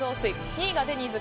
２位がデニーズ